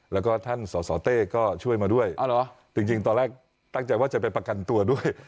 แล้วก็ท่านสสเต้ก็ช่วยมาด้วยจริงตอนแรกตั้งใจว่าจะไปประกันตัวด้วย